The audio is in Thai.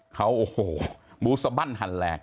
เขาโอ้โหมูสบั้นหันแหลก